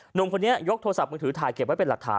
หนุ่มคนนี้ยกโทรศัพท์มือถือถ่ายเก็บไว้เป็นหลักฐาน